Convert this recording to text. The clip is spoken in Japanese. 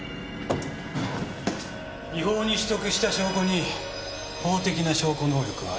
違法に取得した証拠に法的な証拠能力はありませんよ。